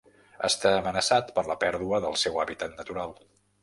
Està amenaçat per la pèrdua del seu hàbitat natural.